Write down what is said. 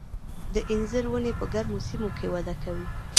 د انځرو ونې په ګرمو سیمو کې وده کوي.